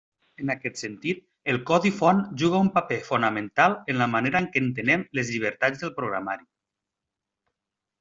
En aquest sentit, el codi font juga un paper fonamental en la manera en què entenem les llibertats del programari.